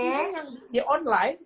ini yang di online